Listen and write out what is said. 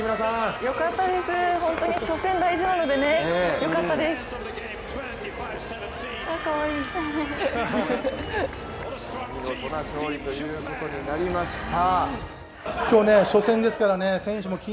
見事な勝利ということになりました。